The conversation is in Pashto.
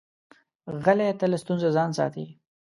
غلی، تل له ستونزو ځان ساتي.